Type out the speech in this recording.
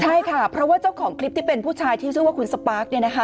ใช่ค่ะเพราะว่าเจ้าของคลิปที่เป็นผู้ชายที่ชื่อว่าคุณสปาร์คเนี่ยนะคะ